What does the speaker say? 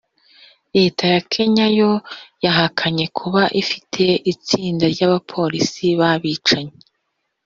Leta ya Kenya yo yahakanye kuba ifite itsinda ry’abapolisi b’abicanyi